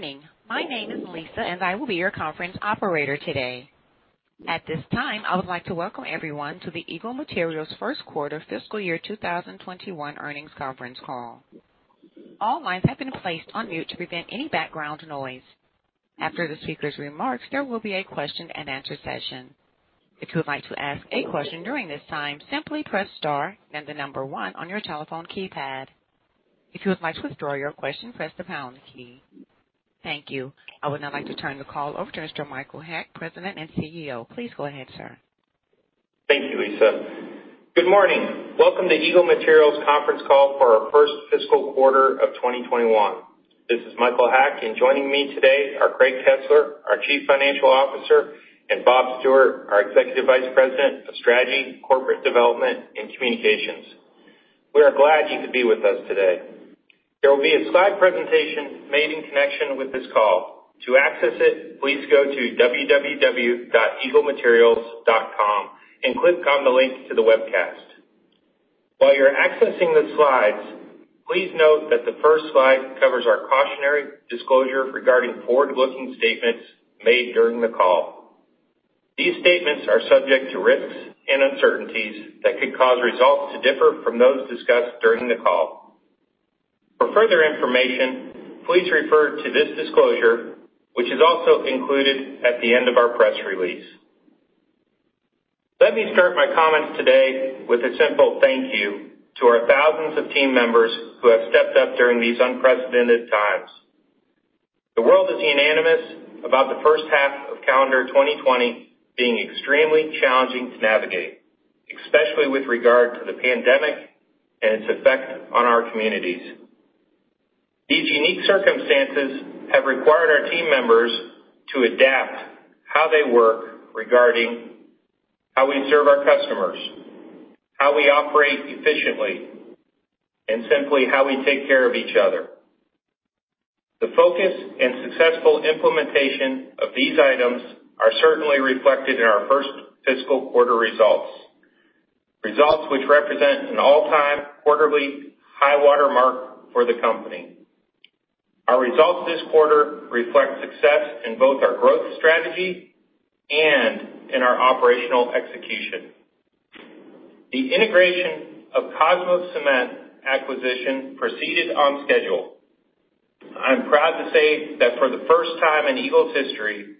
Good morning. My name is Lisa, and I will be your conference operator today. At this time, I would like to welcome everyone to the Eagle Materials First Quarter Fiscal Year 2021 earnings conference call. All lines have been placed on mute to prevent any background noise. After the speakers' remarks, there will be a question-and-answer session. If you would like to ask a question during this time, simply press star then the number one on your telephone keypad. If you would like to withdraw your question, press the pound key. Thank you. I would now like to turn the call over to Mr. Michael Haack, President and CEO. Please go ahead, sir. Thank you, Lisa. Good morning. Welcome to Eagle Materials conference call for our first fiscal quarter of 2021. This is Michael Haack, and joining me today are Craig Kesler, our Chief Financial Officer, and Bob Stewart, our Executive Vice President of Strategy, Corporate Development, and Communications. We are glad you could be with us today. There will be a slide presentation made in connection with this call. To access it, please go to www.eaglematerials.com and click on the link to the webcast. While you're accessing the slides, please note that the first slide covers our cautionary disclosure regarding forward-looking statements made during the call. These statements are subject to risks and uncertainties that could cause results to differ from those discussed during the call. For further information, please refer to this disclosure, which is also included at the end of our press release. Let me start my comments today with a simple thank you to our thousands of team members who have stepped up during these unprecedented times. The world is unanimous about the first half of calendar 2020 being extremely challenging to navigate, especially with regard to the pandemic and its effect on our communities. These unique circumstances have required our team members to adapt how they work, regarding how we serve our customers, how we operate efficiently, and simply how we take care of each other. The focus and successful implementation of these items are certainly reflected in our first fiscal quarter results which represent an all-time quarterly high water mark for the company. Our results this quarter reflect success in both our growth strategy and in our operational execution. The integration of Kosmos Cement acquisition proceeded on schedule. I'm proud to say that for the first time in Eagle's history,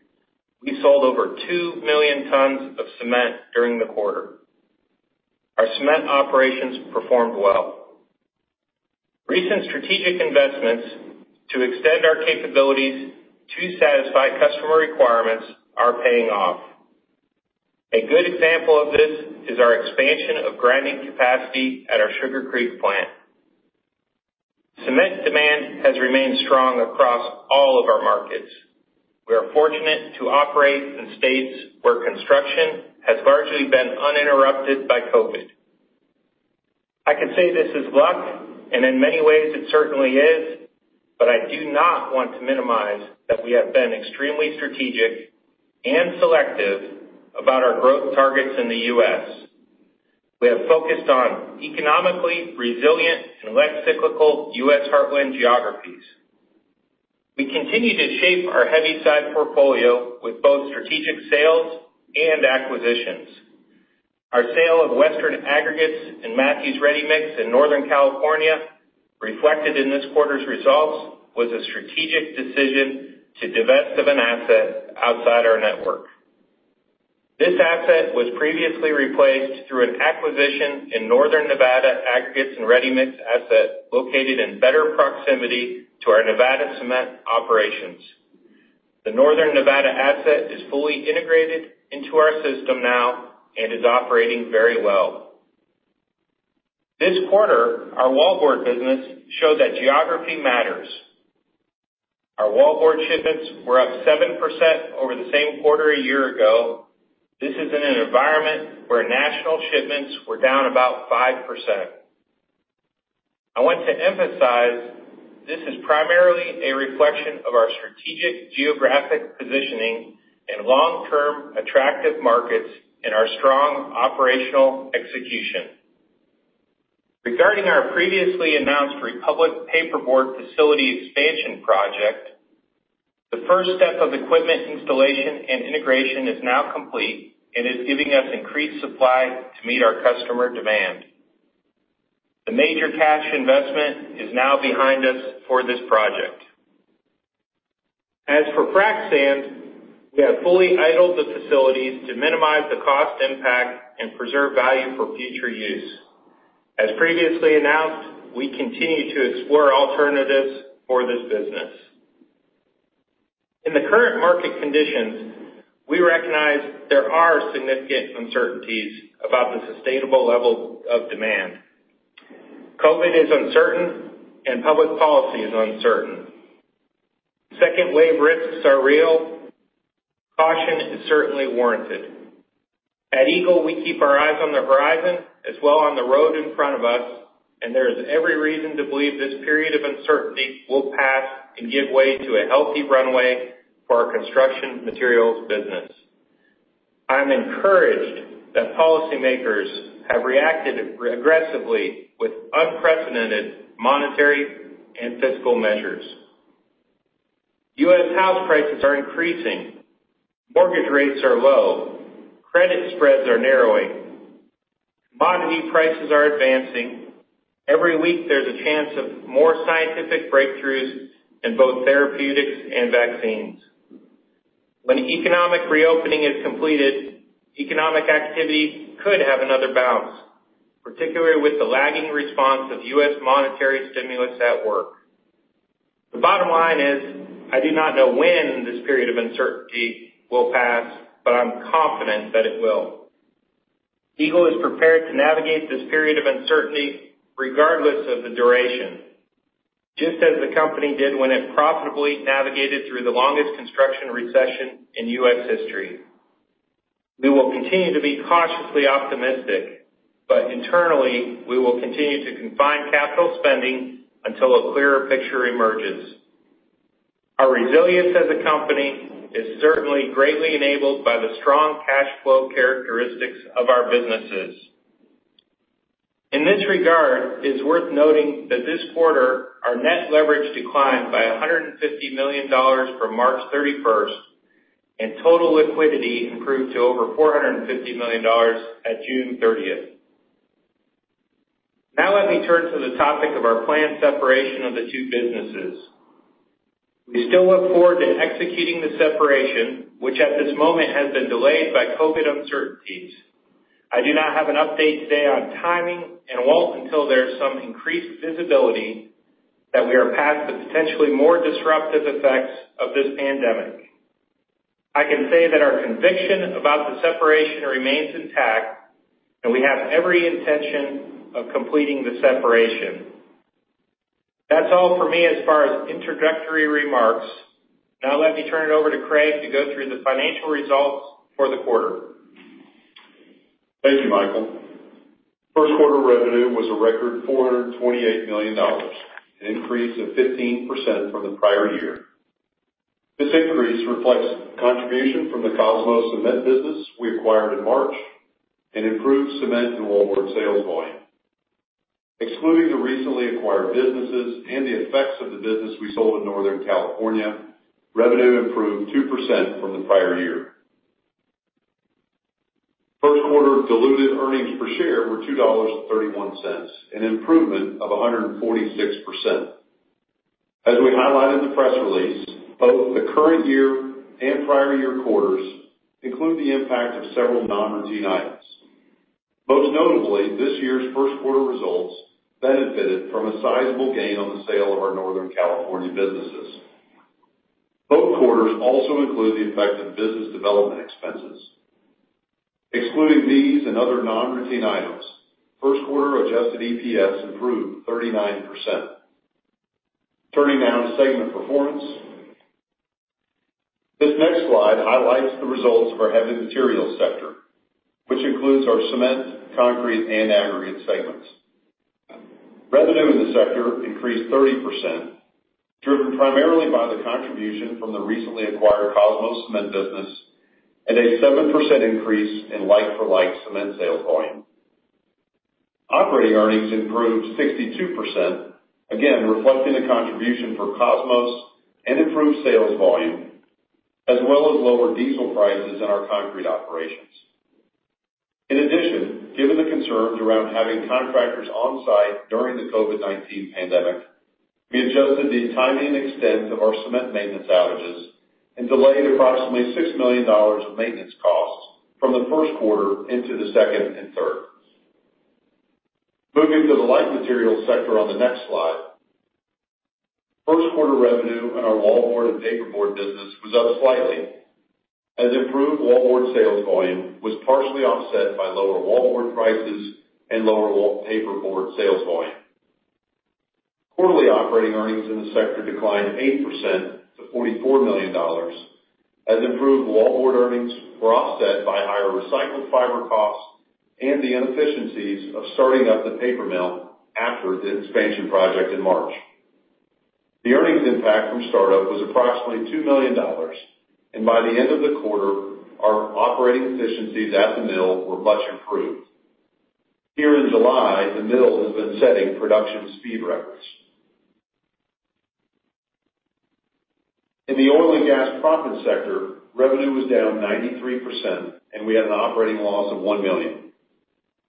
we sold over 2 million tons of cement during the quarter. Our cement operations performed well. Recent strategic investments to extend our capabilities to satisfy customer requirements are paying off. A good example of this is our expansion of grinding capacity at our Sugar Creek plant. Cement demand has remained strong across all of our markets. We are fortunate to operate in states where construction has largely been uninterrupted by COVID. I could say this is luck, and in many ways it certainly is, but I do not want to minimize that we have been extremely strategic and selective about our growth targets in the U.S. We have focused on economically resilient and less cyclical U.S. heartland geographies. We continue to shape our heavyside portfolio with both strategic sales and acquisitions. Our sale of Western Aggregates and Mathews Readymix in Northern California, reflected in this quarter's results, was a strategic decision to divest of an asset outside our network. This asset was previously replaced through an acquisition in Northern Nevada aggregates and ready-mix asset located in better proximity to our Nevada cement operations. The Northern Nevada asset is fully integrated into our system now and is operating very well. This quarter, our wallboard business showed that geography matters. Our wallboard shipments were up 7% over the same quarter a year ago. This is in an environment where national shipments were down about 5%. I want to emphasize this is primarily a reflection of our strategic geographic positioning in long-term attractive markets and our strong operational execution. Regarding our previously announced Republic Paperboard facility expansion project, the first step of equipment installation and integration is now complete and is giving us increased supply to meet our customer demand. The major cash investment is now behind us for this project. For frac sand, we have fully idled the facilities to minimize the cost impact and preserve value for future use. Previously announced, we continue to explore alternatives for this business. In the current market conditions, we recognize there are significant uncertainties about the sustainable level of demand. COVID is uncertain, public policy is uncertain. Second wave risks are real. Caution is certainly warranted. At Eagle, we keep our eyes on the horizon as well on the road in front of us, and there is every reason to believe this period of uncertainty will pass and give way to a healthy runway for our construction materials business. I'm encouraged that policymakers have reacted aggressively with unprecedented monetary and fiscal measures. U.S. house prices are increasing. Mortgage rates are low. Credit spreads are narrowing. Commodity prices are advancing. Every week, there's a chance of more scientific breakthroughs in both therapeutics and vaccines. When economic reopening is completed, economic activity could have another bounce, particularly with the lagging response of U.S. monetary stimulus at work. The bottom line is, I do not know when this period of uncertainty will pass, but I'm confident that it will. Eagle is prepared to navigate this period of uncertainty regardless of the duration, just as the company did when it profitably navigated through the longest construction recession in U.S. history. We will continue to be cautiously optimistic, but internally, we will continue to confine capital spending until a clearer picture emerges. Our resilience as a company is certainly greatly enabled by the strong cash flow characteristics of our businesses. In this regard, it's worth noting that this quarter, our net leverage declined by $150 million from March 31st, and total liquidity improved to over $450 million at June 30th. Now let me turn to the topic of our planned separation of the two businesses. We still look forward to executing the separation, which at this moment has been delayed by COVID uncertainties. I do not have an update today on timing, and won't until there's some increased visibility that we are past the potentially more disruptive effects of this pandemic. I can say that our conviction about the separation remains intact, and we have every intention of completing the separation. That's all for me as far as introductory remarks. Now let me turn it over to Craig to go through the financial results for the quarter. Thank you, Michael. First quarter revenue was a record $428 million, an increase of 15% from the prior year. This increase reflects contribution from the Kosmos Cement business we acquired in March, and improved cement and wallboard sales volume. Excluding the recently acquired businesses and the effects of the business we sold in Northern California, revenue improved 2% from the prior year. First quarter diluted earnings per share were $2.31, an improvement of 146%. As we highlighted in the press release, both the current year and prior year quarters include the impact of several non-routine items. Most notably, this year's first quarter results benefited from a sizable gain on the sale of our Northern California businesses. Both quarters also include the effect of business development expenses. Excluding these and other non-routine items, first quarter adjusted EPS improved 39%. Turning now to segment performance. This next slide highlights the results of our heavy materials sector, which includes our cement, concrete, and aggregate segments. Revenue in the sector increased 30%, driven primarily by the contribution from the recently acquired Kosmos Cement business, and a 7% increase in like-for-like cement sales volume. Operating earnings improved 62%, again, reflecting the contribution for Kosmos and improved sales volume, as well as lower diesel prices in our concrete operations. In addition, given the concerns around having contractors on-site during the COVID-19 pandemic, we adjusted the timing and extent of our cement maintenance outages, and delayed approximately $6 million of maintenance costs from the first quarter into the second and third. Moving to the light materials sector on the next slide. First quarter revenue in our wallboard and paperboard business was up slightly, as improved wallboard sales volume was partially offset by lower wallboard prices and lower paperboard sales volume. Quarterly operating earnings in the sector declined 8% to $44 million, as improved wallboard earnings were offset by higher recycled fiber costs and the inefficiencies of starting up the paper mill after the expansion project in March. The earnings impact from startup was approximately $2 million, and by the end of the quarter, our operating efficiencies at the mill were much improved. Here in July, the mill has been setting production speed records. In the oil and gas proppant sector, revenue was down 93%, and we had an operating loss of $1 million.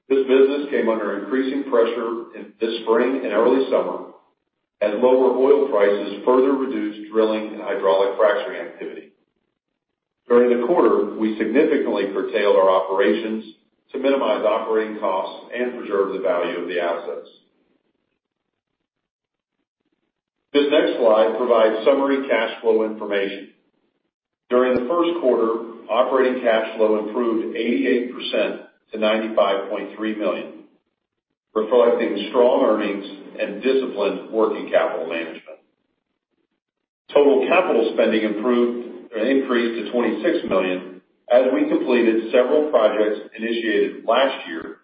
This business came under increasing pressure this spring and early summer as lower oil prices further reduced drilling and hydraulic fracturing activity. During the quarter, we significantly curtailed our operations to minimize operating costs and preserve the value of the assets. This next slide provides summary cash flow information. During the first quarter, operating cash flow improved 88% to $95.3 million, reflecting strong earnings and disciplined working capital management. Total capital spending increased to $26 million as we completed several projects initiated last year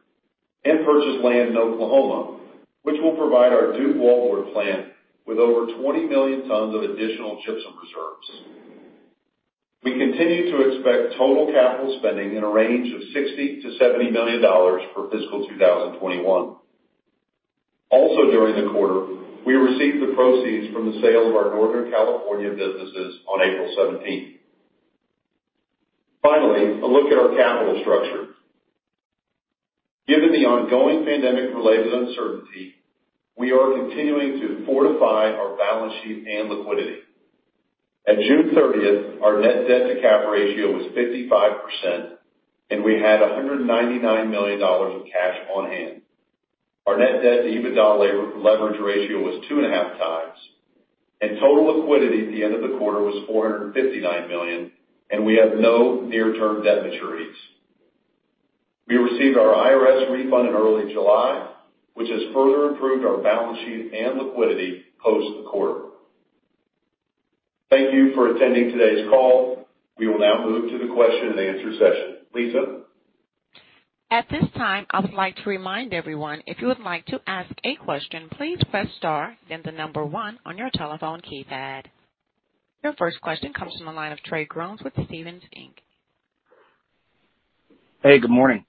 and purchase land in Oklahoma, which will provide our Duke wallboard plant with over 20 million tons of additional gypsum reserves. We continue to expect total capital spending in a range of $60 million to $70 million for fiscal 2021. Also, during the quarter, we received the proceeds from the sale of our Northern California businesses on April 17th. Finally, a look at our capital structure. Given the ongoing pandemic-related uncertainty, we are continuing to fortify our balance sheet and liquidity. At June 30th, our net debt to cap ratio was 55%, and we had $199 million of cash on hand. Our net debt to EBITDA leverage ratio was 2.5x, and total liquidity at the end of the quarter was $459 million, and we have no near-term debt maturities. We received our IRS refund in early July, which has further improved our balance sheet and liquidity post-quarter. Thank you for attending today's call. We will now move to the question-and-answer session. Lisa? At this time, I would like to remind everyone, if you would like to ask a question, please press star then the number one on your telephone keypad. Your first question comes from the line of Trey Grooms with Stephens Inc. Hey, good morning.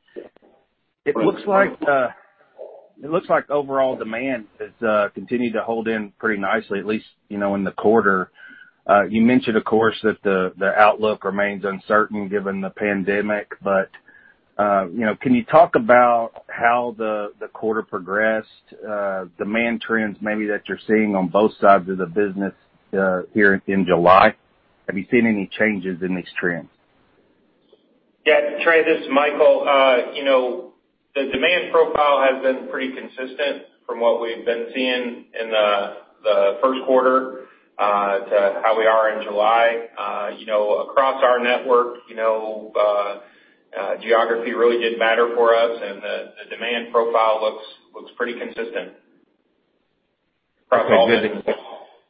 It looks like overall demand has continued to hold in pretty nicely, at least in the quarter. You mentioned, of course, that the outlook remains uncertain given the pandemic, but can you talk about how the quarter progressed, demand trends maybe that you're seeing on both sides of the business here in July? Have you seen any changes in these trends? Yeah. Trey, this is Michael. The demand profile has been pretty consistent from what we've been seeing in the first quarter to how we are in July. Across our network, geography really did matter for us, and the demand profile looks pretty consistent across all businesses.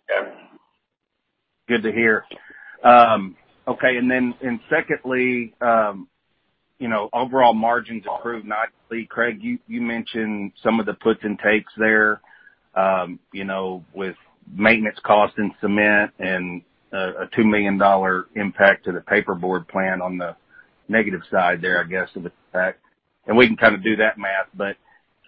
Yeah. Good to hear. Okay. Secondly, overall margins improved nicely. Craig, you mentioned some of the puts and takes there with maintenance cost and cement and a $2 million impact to the paperboard plant on the negative side there, I guess is the fact. We can kind of do that math, but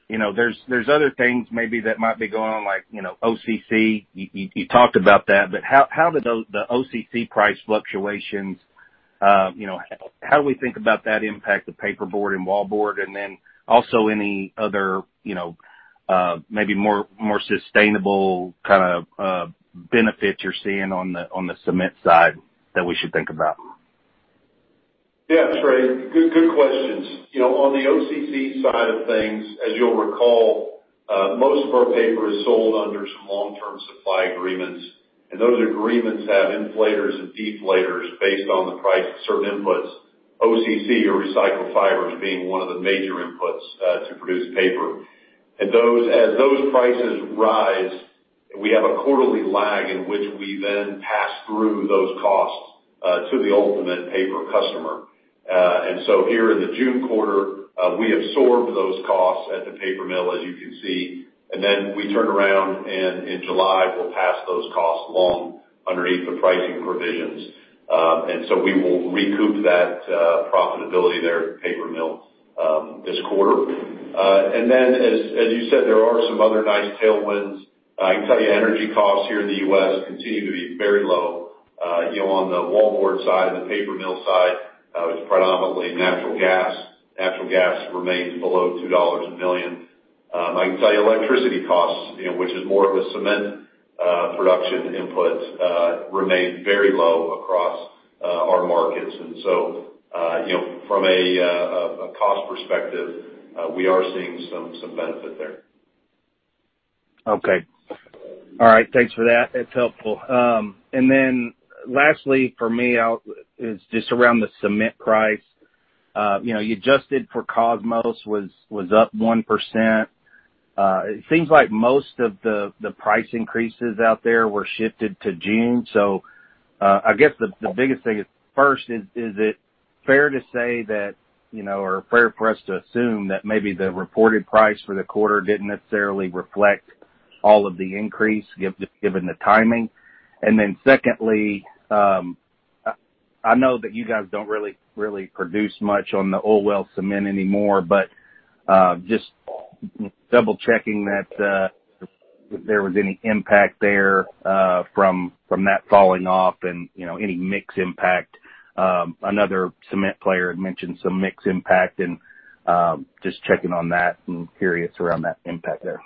there's other things maybe that might be going on like OCC. You talked about that, how did the OCC price fluctuations, how do we think about that impact of paperboard and wallboard? Also any other maybe more sustainable kind of benefits you're seeing on the cement side that we should think about. Yeah. Trey, good questions. On the OCC side of things, as you'll recall, most of our paper is sold under some long-term supply agreements, and those agreements have inflators and deflators based on the price of certain inputs, OCC or recycled fibers being one of the major inputs to produce paper. As those prices rise, we have a quarterly lag in which we then pass through those costs to the ultimate paper customer. Here in the June quarter, we absorbed those costs at the paper mill, as you can see, and then we turned around, and in July, we'll pass those costs along underneath the pricing provisions. We will recoup that profitability there at the paper mill this quarter. As you said, there are some other nice tailwinds. I can tell you energy costs here in the U.S. continue to be very low. On the wallboard side and the paper mill side, it's predominantly natural gas. Natural gas remains below $2 a million. I can tell you electricity costs, which is more of a cement production input, remain very low across our markets. From a cost perspective, we are seeing some benefit there. Okay. All right. Thanks for that. That's helpful. Lastly for me is just around the cement price. You adjusted for Kosmos was up 1%. It seems like most of the price increases out there were shifted to June. I guess the biggest thing is first, is it fair to say that or fair for us to assume that maybe the reported price for the quarter didn't necessarily reflect all of the increase given the timing? Secondly, I know that you guys don't really produce much on the oil well cement anymore, but just double-checking that there was any impact there from that falling off and any mix impact. Another cement player had mentioned some mix impact, just checking on that and curious around that impact there.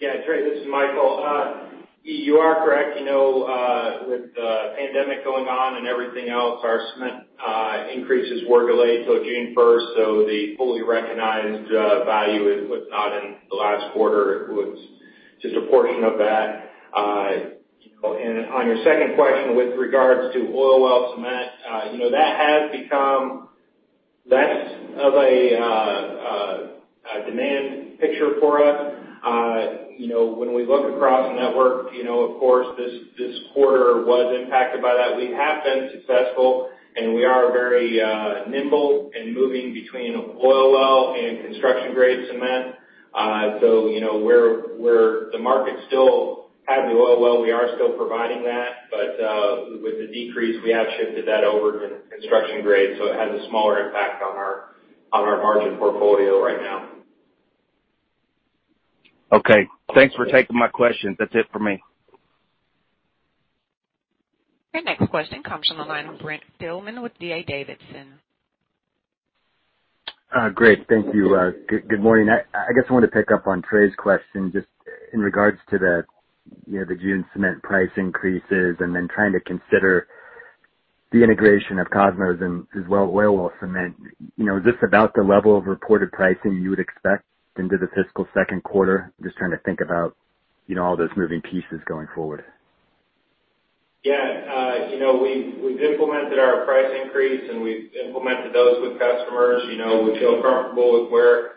Yeah. Trey, this is Michael. You are correct. With the pandemic going on and everything else, our cement increases were delayed till June 1st. The fully recognized value was not in the last quarter. It was just a portion of that. On your second question with regards to oil well cement, that has become less of a demand picture for us. When we look across the network, of course, this quarter was impacted by that. We have been successful, and we are very nimble in moving between oil well, construction grade cement. The market still has oil well, we are still providing that, but with the decrease, we have shifted that over to construction grade, so it has a smaller impact on our margin portfolio right now. Okay. Thanks for taking my question. That's it for me. Your next question comes from the line of Brent Thielman with D.A. Davidson. Great. Thank you. Good morning. I guess I wanted to pick up on Trey's question just in regards to the June cement price increases and then trying to consider the integration of Kosmos and as well oil well cement. Is this about the level of reported pricing you would expect into the fiscal second quarter? Just trying to think about all those moving pieces going forward. Yeah. We've implemented our price increase, and we've implemented those with customers. We feel comfortable with where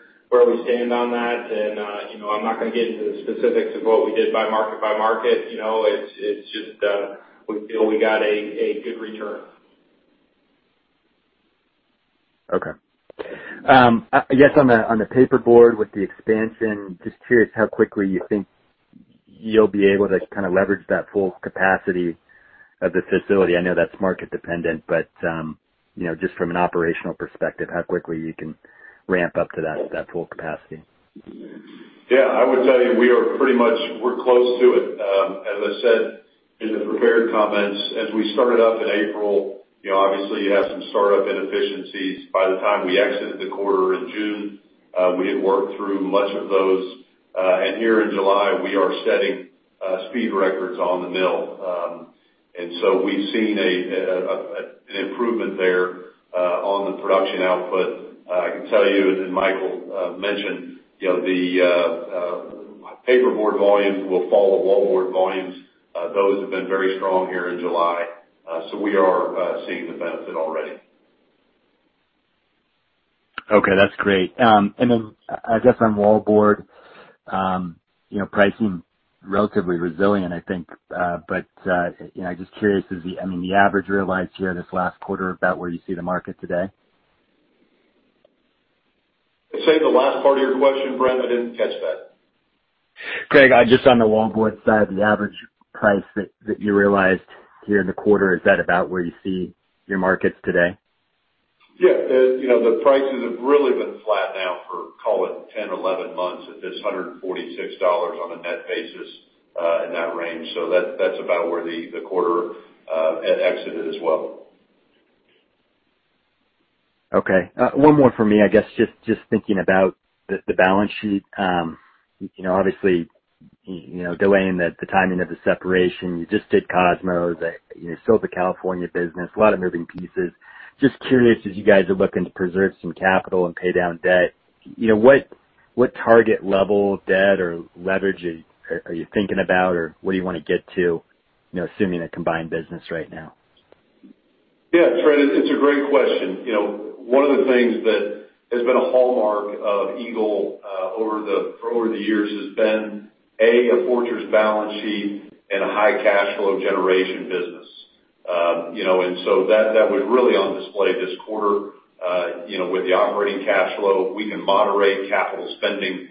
we stand on that. I'm not going to get into the specifics of what we did by market. It's just, we feel we got a good return. Okay. I guess on the paperboard with the expansion, just curious how quickly you think you'll be able to kind of leverage that full capacity of the facility. I know that's market dependent, but just from an operational perspective, how quickly you can ramp up to that full capacity? Yeah, I would tell you we're close to it. I said in the prepared comments, as we started up in April, obviously you have some startup inefficiencies. By the time we exited the quarter in June, we had worked through much of those. Here in July, we are setting speed records on the mill. We've seen an improvement there on the production output. I can tell you, as Michael mentioned, the paperboard volumes will follow wallboard volumes. Those have been very strong here in July. We are seeing the benefit already. Okay, that's great. I guess on wallboard, pricing relatively resilient, I think. I'm just curious, the average realized here this last quarter, about where you see the market today? Say the last part of your question, Brent. I didn't catch that. Craig, just on the wallboard side, the average price that you realized here in the quarter, is that about where you see your markets today? Yeah. The prices have really been flat now for, call it 10 or 11 months at this $146 on a net basis, in that range. That's about where the quarter had exited as well. Okay. One more for me. I guess, just thinking about the balance sheet. Obviously, delaying the timing of the separation, you just did Kosmos, you sold the California business, a lot of moving pieces. Just curious, as you guys are looking to preserve some capital and pay down debt, what target level of debt or leverage are you thinking about, or where do you want to get to, assuming a combined business right now? Yeah, Brent, it's a great question. One of the things that has been a hallmark of Eagle over the years has been, A, a fortress balance sheet and a high cash flow generation business. That was really on display this quarter. With the operating cash flow, we can moderate capital spending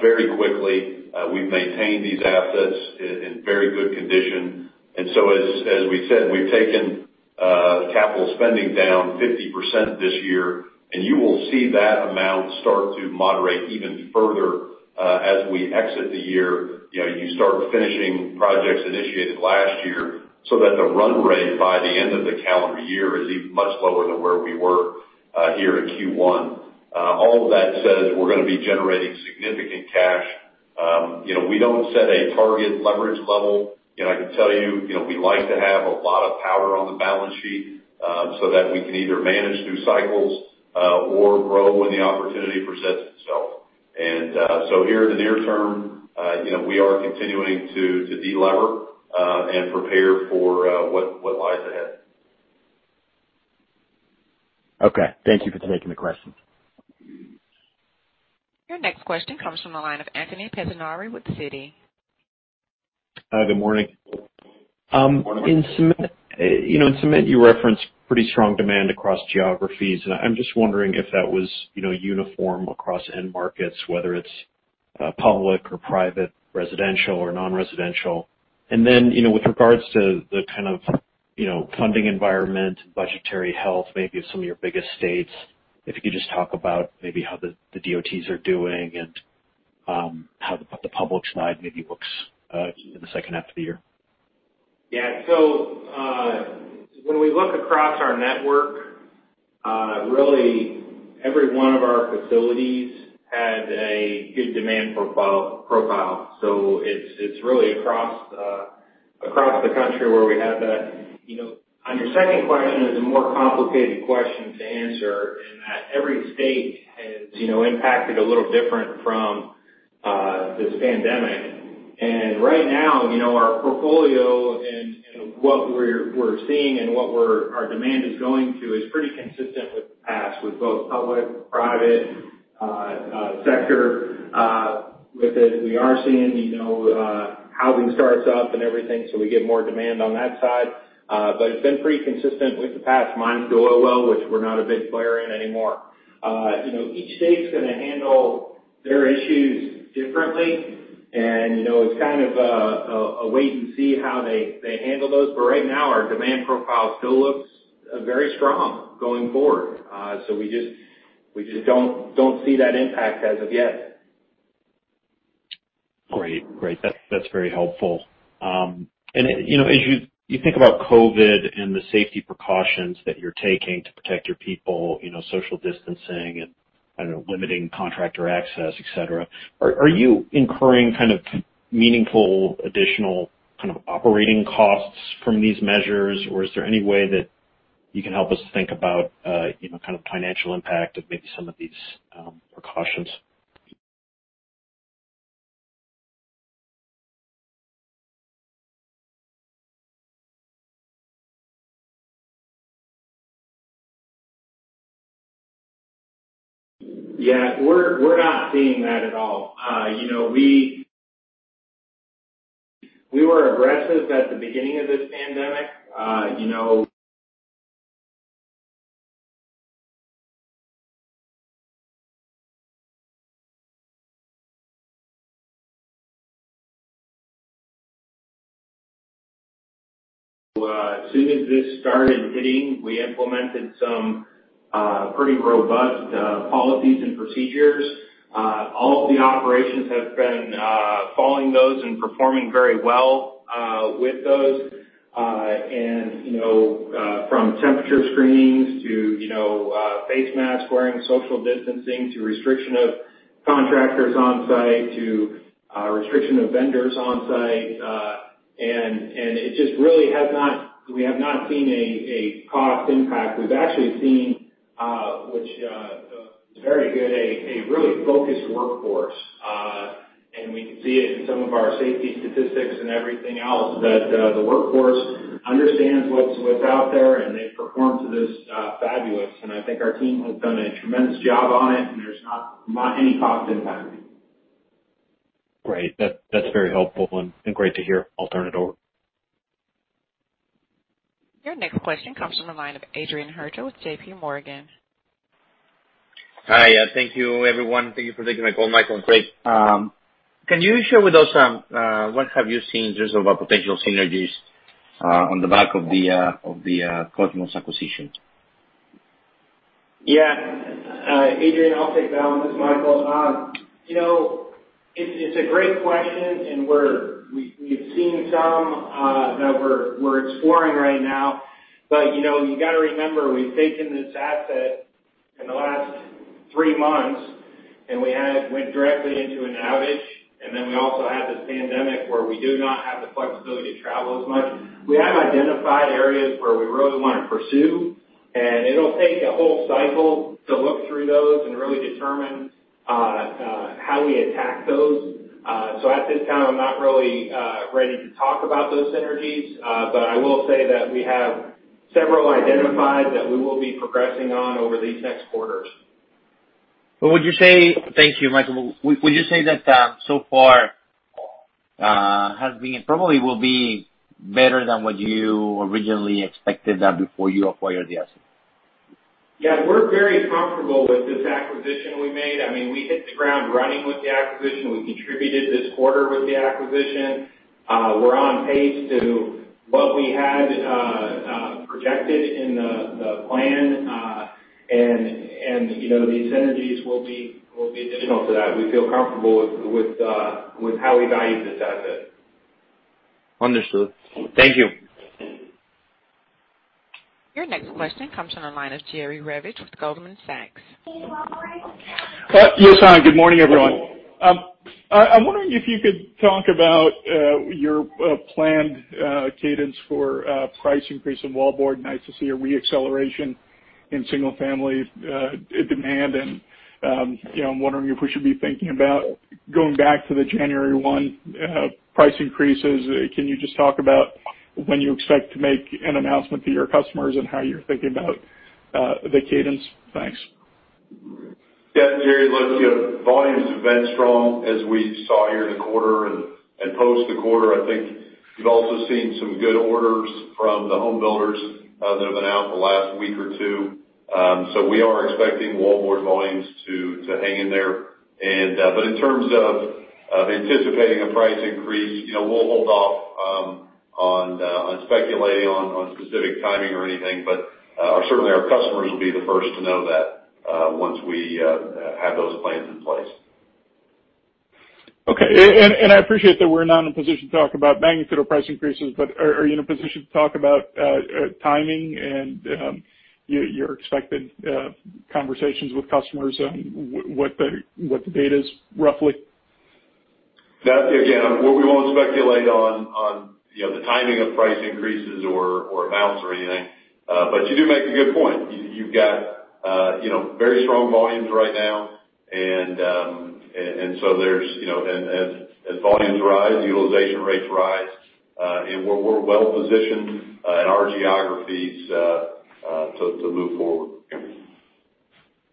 very quickly. We've maintained these assets in very good condition. As we said, we've taken capital spending down 50% this year, and you will see that amount start to moderate even further as we exit the year. You start finishing projects initiated last year so that the run rate by the end of the calendar year is much lower than where we were here in Q1. All of that said, is we're going to be generating significant cash. We don't set a target leverage level. I can tell you, we like to have a lot of power on the balance sheet so that we can either manage through cycles or grow when the opportunity presents itself. Here in the near term, we are continuing to de-lever and prepare for what lies ahead. Okay. Thank you for taking the question. Your next question comes from the line of Anthony Pettinari with Citi. Hi, good morning. Good morning. In cement, you referenced pretty strong demand across geographies, and I'm just wondering if that was uniform across end markets, whether it's public or private, residential or non-residential. With regards to the kind of funding environment, budgetary health, maybe of some of your biggest states, if you could just talk about maybe how the DOTs are doing and how the public side maybe looks in the second half of the year. When we look across our network, really every one of our facilities had a good demand profile. It's really across the country where we have that. On your second question is a more complicated question to answer in that every state has impacted a little different from this pandemic. Right now, our portfolio and what we're seeing and what our demand is going to is pretty consistent with the past, with both public, private sector. With it, we are seeing housing starts up and everything, so we get more demand on that side. It's been pretty consistent with the past, minus oil well, which we're not a big player in anymore. Each state's going to handle their issues differently, and it's kind of a wait and see how they handle those. Right now, our demand profile still looks very strong going forward. We just don't see that impact as of yet. Great. That's very helpful. As you think about COVID and the safety precautions that you're taking to protect your people, social distancing and, I don't know, limiting contractor access, et cetera, are you incurring meaningful, additional operating costs from these measures? Or is there any way that you can help us think about financial impact of maybe some of these precautions? Yeah. We're not seeing that at all. We were aggressive at the beginning of this pandemic. As soon as this started hitting, we implemented some pretty robust policies and procedures. All of the operations have been following those and performing very well with those. From temperature screenings to face mask wearing, social distancing, to restriction of contractors on site, to restriction of vendors on site, and we have not seen a cost impact. We've actually seen, which is very good, a really focused workforce. We can see it in some of our safety statistics and everything else that the workforce understands what's out there, and they've performed through this fabulous. I think our team has done a tremendous job on it, and there's not any cost impact. Great. That's very helpful and great to hear. I'll turn it over. Your next question comes from the line of Adrian Huerta with JPMorgan. Hi. Thank you, everyone. Thank you for taking my call, Michael and Craig. Can you share with us what have you seen in terms of potential synergies on the back of the Kosmos acquisition? Adrian, I'll take that one. This is Michael. It's a great question, and we've seen some that we're exploring right now. You got to remember, we've taken this asset in the last three months, and we had went directly into an outage, and then we also had this pandemic where we do not have the flexibility to travel as much. We have identified areas where we really want to pursue, and it'll take a whole cycle to look through those and really determine how we attack those. At this time, I'm not really ready to talk about those synergies. I will say that we have several identified that we will be progressing on over these next quarters. Thank you, Michael. Would you say that so far has been, and probably will be better than what you originally expected than before you acquired the asset? Yeah. We're very comfortable with this acquisition we made. We hit the ground running with the acquisition. We contributed this quarter with the acquisition. We're on pace to what we had projected in the plan. These synergies will be additional to that. We feel comfortable with how we valued this asset. Understood. Thank you. Your next question comes from the line of Jerry Revich with Goldman Sachs. Yes. Good morning, everyone. I'm wondering if you could talk about your planned cadence for price increase in wallboard. Nice to see a re-acceleration in single-family demand, and I'm wondering if we should be thinking about going back to the January 1 price increases. Can you just talk about when you expect to make an announcement to your customers and how you're thinking about the cadence? Thanks. Jerry, look, volumes have been strong as we saw here in the quarter and post the quarter. I think you've also seen some good orders from the home builders that have been out in the last week or two. We are expecting wallboard volumes to hang in there. In terms of anticipating a price increase, we'll hold off on speculating on specific timing or anything. Certainly our customers will be the first to know that once we have those plans in place. Okay. I appreciate that we're not in a position to talk about magnitude of price increases, are you in a position to talk about timing and your expected conversations with customers on what the date is, roughly? That, again, what we won't speculate on the timing of price increases or amounts or anything. You do make a good point. You've got very strong volumes right now. As volumes rise, utilization rates rise. We're well positioned in our geographies to move forward.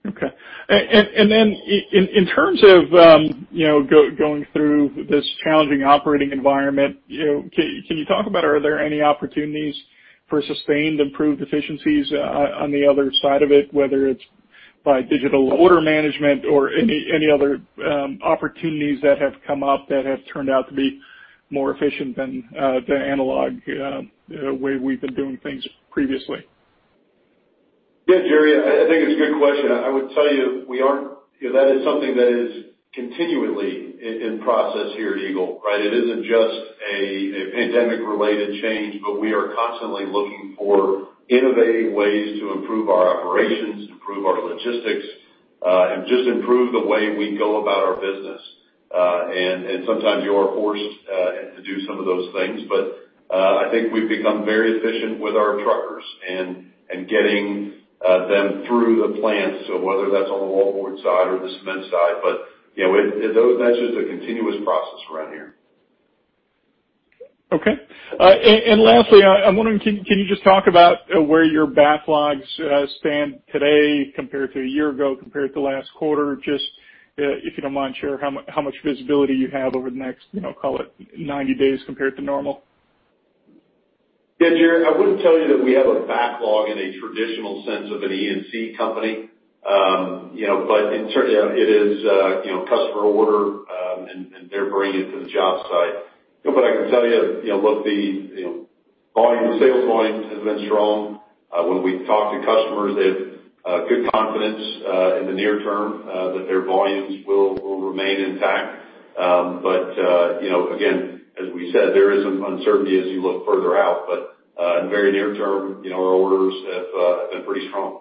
Okay. In terms of going through this challenging operating environment, can you talk about are there any opportunities for sustained improved efficiencies on the other side of it, whether it's by digital order management or any other opportunities that have come up that have turned out to be more efficient than the analog way we've been doing things previously? Yes, Jerry, I think it's a good question. I would tell you, that is something that is continually in process here at Eagle, right? It isn't just a pandemic-related change, but we are constantly looking for innovative ways to improve our operations, to improve our logistics, and just improve the way we go about our business. Sometimes you are forced to do some of those things. I think we've become very efficient with our truckers and getting them through the plants. Whether that's on the wallboard side or the cement side. That's just a continuous process around here. Okay. Lastly, I'm wondering, can you just talk about where your backlogs stand today compared to a year ago, compared to last quarter, just if you don't mind sharing how much visibility you have over the next call it 90 days compared to normal? Yeah, Jerry, I wouldn't tell you that we have a backlog in a traditional sense of an E&C company. Certainly it is customer order, and they're bringing it to the job site. I can tell you, look, the sales volume has been strong. When we talk to customers, they have good confidence in the near term that their volumes will remain intact. Again, as we said, there is some uncertainty as you look further out. In very near term, our orders have been pretty strong.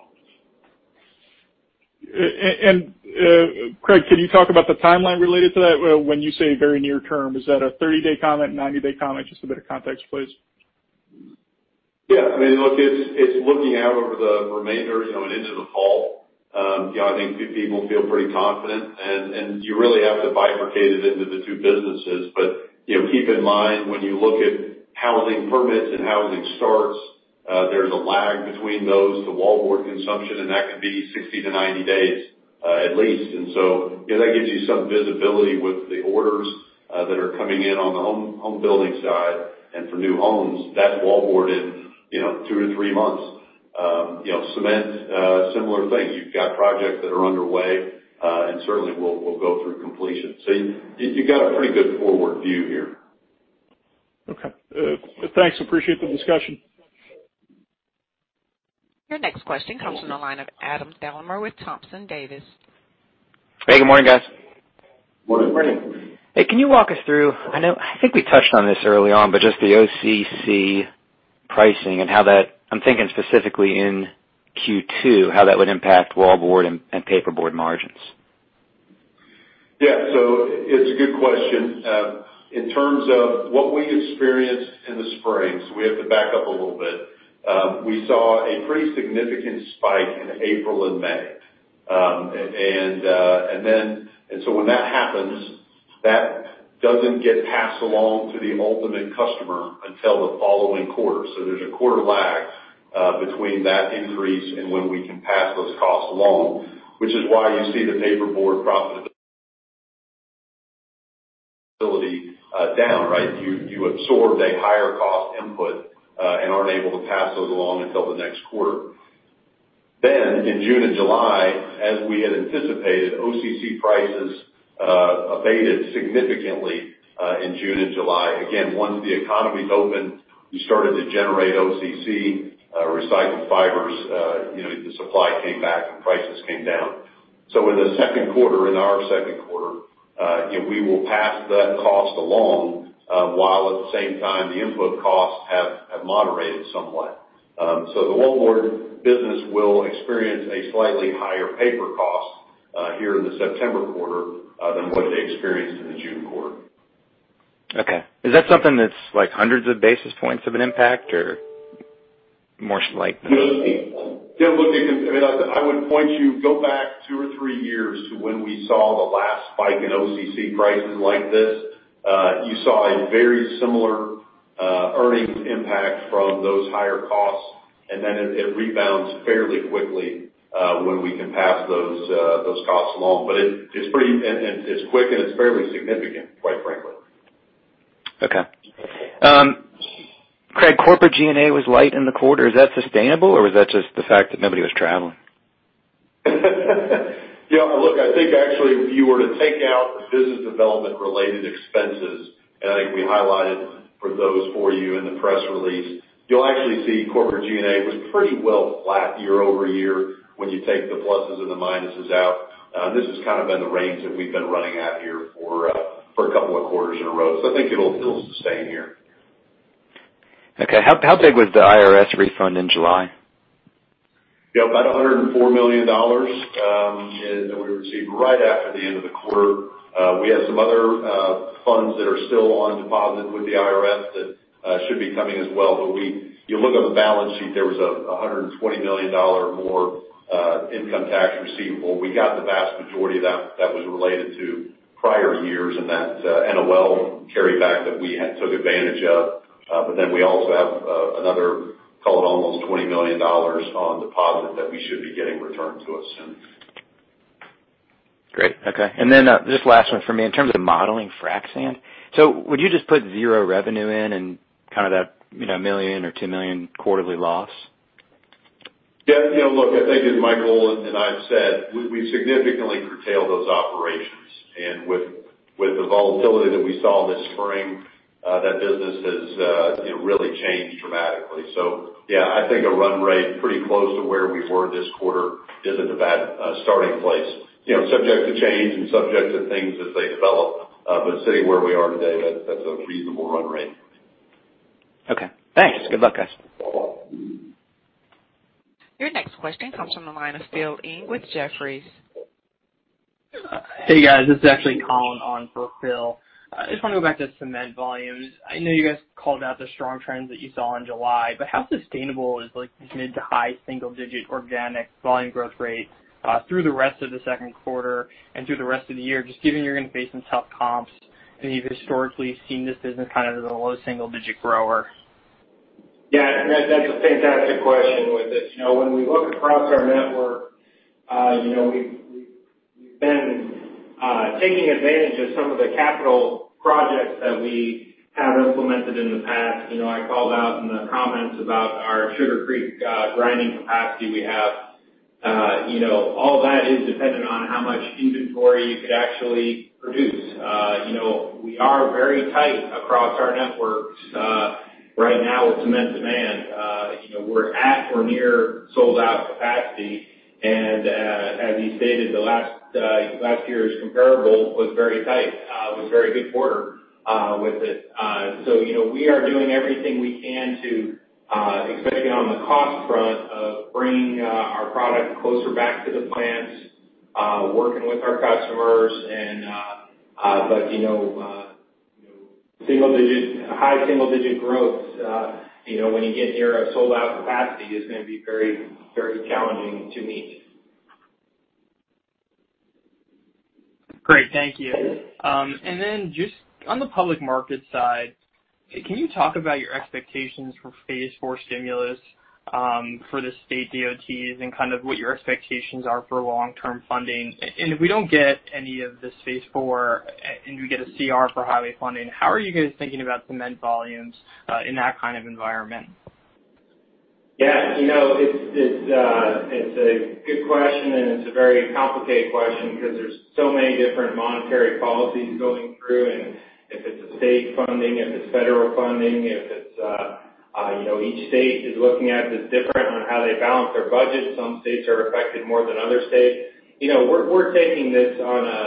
Craig, can you talk about the timeline related to that? When you say very near term, is that a 30-day comment, 90-day comment? Just a bit of context, please. Yeah. Look, it's looking out over the remainder and into the fall. I think people feel pretty confident, you really have to bifurcate it into the two businesses. Keep in mind, when you look at housing permits and housing starts, there's a lag between those to wallboard consumption, and that could be 60-90 days at least. That gives you some visibility with the orders that are coming in on the home building side and for new homes. That's wallboarded 2-3 months. Cement, similar thing. You've got projects that are underway and certainly will go through completion. You've got a pretty good forward view here. Okay. Thanks. Appreciate the discussion. Your next question comes from the line of Adam Thalhimer with Thompson Davis. Hey, good morning, guys. Morning. Morning. Hey, can you walk us through, I think we touched on this early on, but just the OCC pricing and how that, I'm thinking specifically in Q2, how that would impact wallboard and paperboard margins? It's a good question. In terms of what we experienced in the spring, we have to back up a little bit. When that happens, that doesn't get passed along to the ultimate customer until the following quarter. There's a quarter lag between that increase and when we can pass those costs along, which is why you see the paperboard profitability down. Right? You absorbed a higher cost input and aren't able to pass those along until the next quarter. In June and July, as we had anticipated, OCC prices abated significantly in June and July. Once the economies opened, we started to generate OCC, recycled fibers, the supply came back, and prices came down. In the second quarter, in our second quarter, we will pass that cost along, while at the same time the input costs have moderated somewhat. The wallboard business will experience a slightly higher paper cost here in the September quarter than what they experienced in the June quarter. Okay. Is that something that's like hundreds of basis points of an impact or more like- Look, I would point you go back two or three years to when we saw the last spike in OCC prices like this. You saw a very similar earnings impact from those higher costs, and then it rebounds fairly quickly when we can pass those costs along. It's quick, and it's fairly significant, quite frankly. Okay. Craig, corporate G&A was light in the quarter. Is that sustainable, or was that just the fact that nobody was traveling? Look, I think actually, if you were to take out the business development-related expenses, and I think we highlighted those for you in the press release. You'll actually see corporate G&A was pretty well flat year-over-year when you take the pluses and the minuses out. This has kind of been the range that we've been running at here for a couple of quarters in a row. I think it'll sustain here. Okay. How big was the IRS refund in July? About $104 million that we received right after the end of the quarter. We have some other funds that are still on deposit with the IRS that should be coming as well. If you look on the balance sheet, there was $120 million more income tax receivable. We got the vast majority of that was related to prior years, that's NOL carryback that we had took advantage of. We also have another call it almost $20 million on deposit that we should be getting returned to us soon. Great. Okay. Just last one for me, in terms of modeling frac sand. Would you just put zero revenue in and that $1 million or $2 million quarterly loss? Yeah. Look, I think as Michael and I have said, we significantly curtail those operations, and with the volatility that we saw this spring, that business has really changed dramatically. Yeah, I think a run rate pretty close to where we were this quarter isn't a bad starting place. Subject to change and subject to things as they develop, but sitting where we are today, that's a reasonable run rate. Okay, thanks. Good luck, guys. Your next question comes from the line of Phil Ng with Jefferies. Hey, guys. This is actually Colin on for Phil. I just want to go back to cement volumes. I know you guys called out the strong trends that you saw in July, but how sustainable is like mid to high single-digit organic volume growth rate, through the rest of the second quarter and through the rest of the year, just given you're going to face some tough comps, and you've historically seen this business kind of as a low single-digit grower? Yeah. That's a fantastic question with it. When we look across our network, we've been taking advantage of some of the capital projects that we have implemented in the past. I called out in the comments about our Sugar Creek grinding capacity we have. All that is dependent on how much inventory you could actually produce. We are very tight across our networks right now with cement demand. We're at or near sold-out capacity, and as we stated, the last year's comparable was very tight. It was a very good quarter, with it. We are doing everything we can to, especially on the cost front of bringing our product closer back to the plants, working with our customers, but high single-digit growth when you get near a sold-out capacity is going to be very challenging to meet. Great. Thank you. Then just on the public market side, can you talk about your expectations for phase 4 stimulus, for the state DOTs and kind of what your expectations are for long-term funding? If we don't get any of this phase 4 and we get a CR for highway funding, how are you guys thinking about cement volumes, in that kind of environment? Yeah. It's a good question, and it's a very complicated question because there's so many different monetary policies going through, and if it's a state funding, if it's federal funding. Each state is looking at this different on how they balance their budget. Some states are affected more than other states. We're taking this on a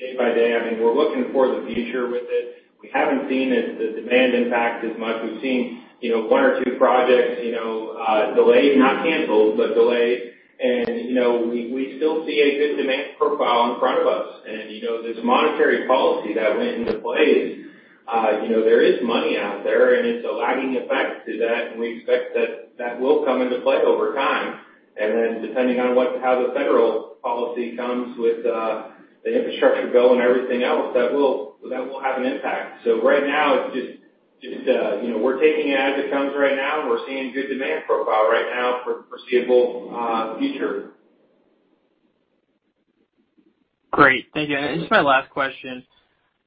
day by day. I mean, we're looking for the future with it. We haven't seen the demand impact as much. We've seen one or two projects delayed, not canceled, but delayed. We still see a good demand profile in front of us. This monetary policy that went into play, there is money out there, and it's a lagging effect to that, and we expect that will come into play over time. Depending on how the federal policy comes with the infrastructure bill and everything else, that will have an impact. Right now, we're taking it as it comes right now. We're seeing good demand profile right now for the foreseeable future. Great. Thank you. Just my last question.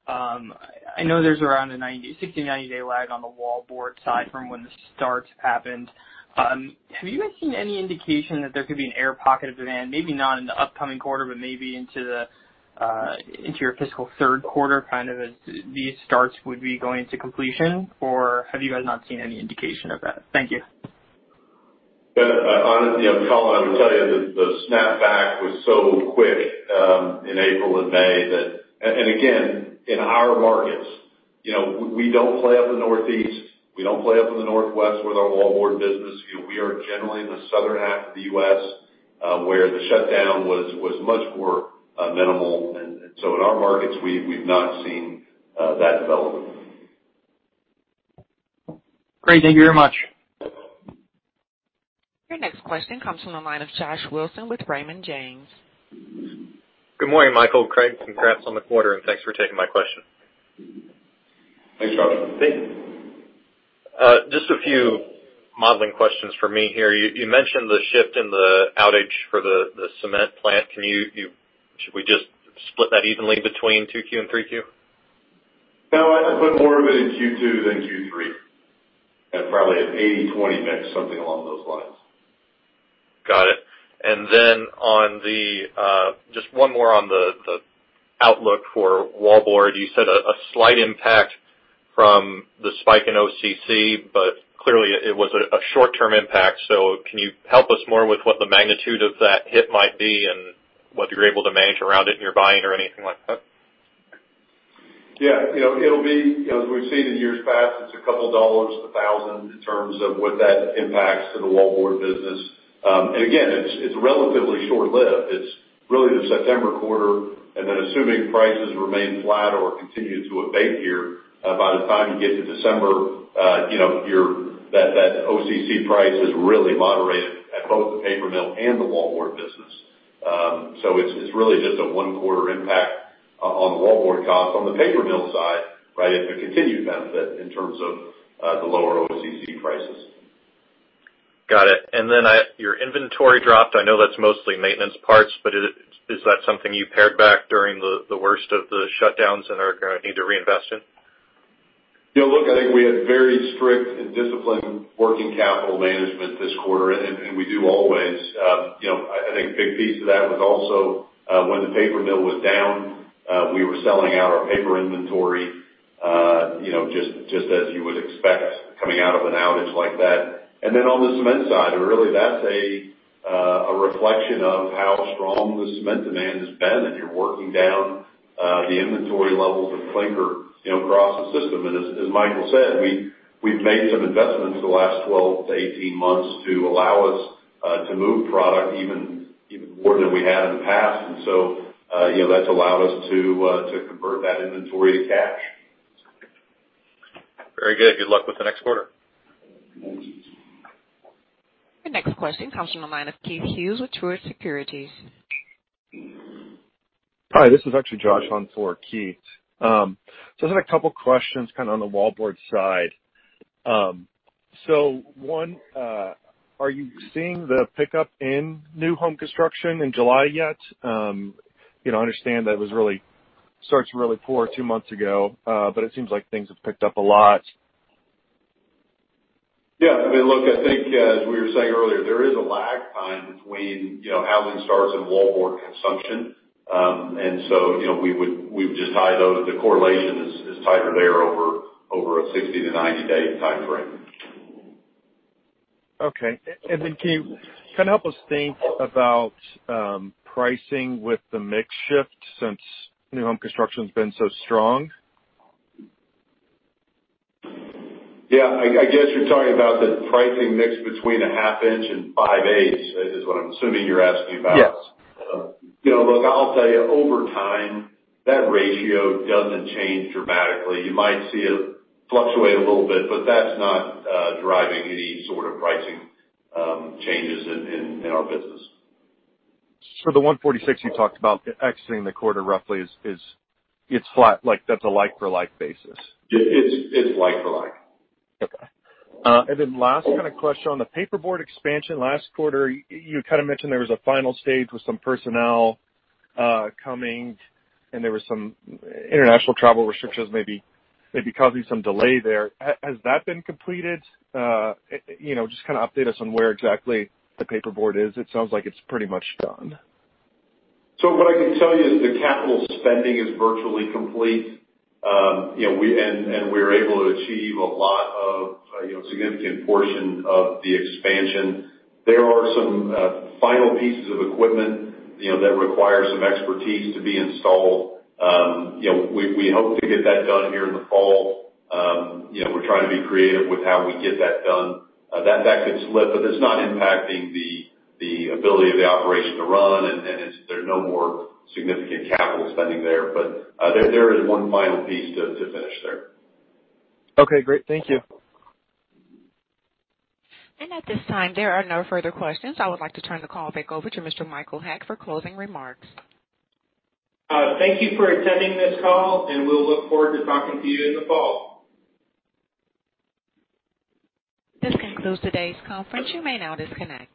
I know there's around a 60, 90-day lag on the wallboard side from when the starts happened. Have you guys seen any indication that there could be an air pocket of demand? Maybe not in the upcoming quarter, but maybe into your fiscal third quarter, kind of as these starts would be going to completion, or have you guys not seen any indication of that? Thank you. Yeah. Colin, I would tell you that the snap back was so quick, in April and May. Again, in our markets, we don't play up in the Northeast, we don't play up in the Northwest with our wallboard business. We are generally in the southern half of the U.S., where the shutdown was much more minimal. Great. Thank you very much. Your next question comes from the line of Josh Wilson with Raymond James. Good morning, Michael, Craig. Congrats on the quarter and thanks for taking my question. Thanks, Josh. Just a few modeling questions for me here. You mentioned the shift in the outage for the cement plant. Should we just split that evenly between two Q and three Q? No, I'd put more of it in Q2 than Q3, at probably an 80/20 mix, something along those lines. Got it. Just one more on the outlook for wallboard. You said a slight impact from the spike in OCC, but clearly it was a short-term impact. Can you help us more with what the magnitude of that hit might be and what you're able to manage around it in your buying or anything like that? Yeah. As we've seen in years past, it's a couple of dollars a thousand in terms of what that impacts to the wallboard business. Again, it's relatively short-lived. It's really the September quarter, assuming prices remain flat or continue to abate here, by the time you get to December, that OCC price has really moderated at both the paper mill and the wallboard business. It's really just a one quarter impact on the wallboard costs. On the paper mill side, it's a continued benefit in terms of the lower OCC prices. Got it. Your inventory dropped. I know that's mostly maintenance parts, but is that something you pared back during the worst of the shutdowns and are going to need to reinvest in? Look, I think we had very strict and disciplined working capital management this quarter, and we do always. I think a big piece of that was also when the paper mill was down, we were selling out our paper inventory, just as you would expect coming out of an outage like that. On the cement side, really that's a reflection of how strong the cement demand has been, and you're working down the inventory levels of clinker across the system. As Michael said, we've made some investments the last 12-18 months to allow us to move product even more than we have in the past. That's allowed us to convert that inventory to cash. Very good. Good luck with the next quarter. Your next question comes from the line of Keith Hughes with Truist Securities. Hi, this is actually Josh on for Keith. I just had a couple questions kind of on the wallboard side. One, are you seeing the pickup in new home construction in July yet? I understand that it started really poor two months ago. It seems like things have picked up a lot. Yeah. I mean, look, I think as we were saying earlier, there is a lag time between housing starts and wallboard consumption. We would just tie those. The correlation is tighter there over a 60 to 90-day time frame. Okay. Can you help us think about pricing with the mix shift since new home construction's been so strong? Yeah. I guess you're talking about the pricing mix between a half inch and 5/8 is what I'm assuming you're asking about. Yes. Look, I'll tell you, over time, that ratio doesn't change dramatically. You might see it fluctuate a little bit, but that's not driving any sort of pricing changes in our business. For the 146 you talked about exiting the quarter roughly is it's flat, like that's a like-for-like basis. It's like-for-like. Okay. Last kind of question on the paperboard expansion. Last quarter, you kind of mentioned there was a final stage with some personnel coming, and there were some international travel restrictions maybe causing some delay there. Has that been completed? Just kind of update us on where exactly the paperboard is. It sounds like it's pretty much done. What I can tell you is the capital spending is virtually complete. We are able to achieve a lot of significant portion of the expansion. There are some final pieces of equipment that require some expertise to be installed. We hope to get that done here in the fall. We're trying to be creative with how we get that done. That could slip, but it's not impacting the ability of the operation to run, and there's no more significant capital spending there. There is one final piece to finish there. Okay, great. Thank you. At this time, there are no further questions. I would like to turn the call back over to Mr. Michael Haack for closing remarks. Thank you for attending this call, and we'll look forward to talking to you in the fall. This concludes today's conference. You may now disconnect.